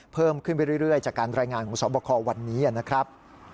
เพิ่มขึ้นไปเรื่อยจากการรายงานของสอบคอวันนี้นะครับ